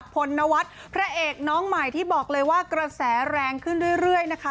พลนวัฒน์พระเอกน้องใหม่ที่บอกเลยว่ากระแสแรงขึ้นเรื่อยนะคะ